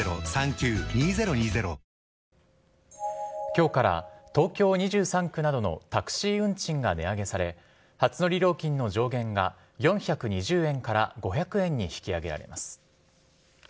きょうから東京２３区などのタクシー運賃が値上げされ、初乗り料金の上限が４２０円から５００円に引き上げられます。